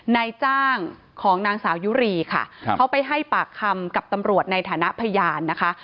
นายจ้างของนางสาวยุรีค่ะเขาไปให้ปากคำกับตำรวจในฐานะพยานนะคะ